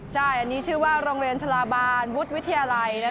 ใช่อันนี้ชื่อว่าโรงเรียนชะลาบานวุฒิวิทยาลัย